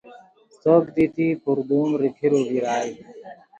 څھک دیتی پردوم روپھیرو بیرائے